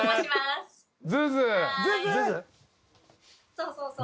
そうそうそう。